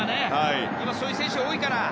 今、そういう選手が多いから。